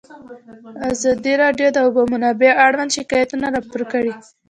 ازادي راډیو د د اوبو منابع اړوند شکایتونه راپور کړي.